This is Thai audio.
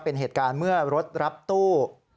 เป็นเหตุการณ์เมื่อรถรับตู้